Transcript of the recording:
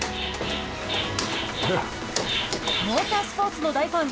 モータースポーツの大ファン